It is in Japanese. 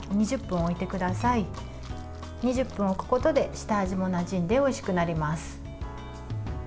２０分置くことで下味もなじんでおいしくなります。